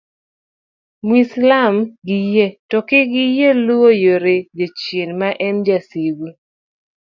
mwislam gi yie to kik giyie luwo yore jachien maen jasigu